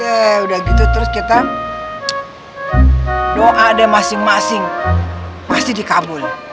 yee udah gitu terus kita doa deh masing masing masih di kabul